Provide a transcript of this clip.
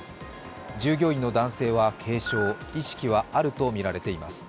従業員の男性は軽傷意識はあるとみられています。